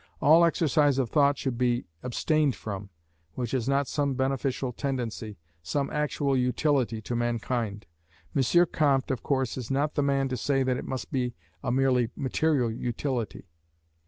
All exercise of thought should be abstained from, which has not some beneficial tendency, some actual utility to mankind. M. Comte, of course, is not the man to say that it must be a merely material utility.